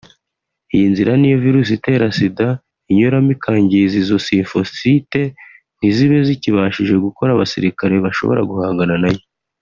Iyi nzira niyo virusi itera Sida inyuramo ikangiza izo Lymphocyte ntizibe zikibashije gukora abasirikare bashobora guhangana na yo